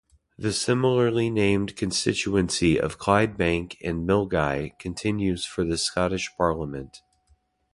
The similarly named constituency of Clydebank and Milngavie continues for the Scottish Parliament.